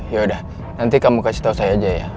yaudah nanti kamu kasih tau saya aja ya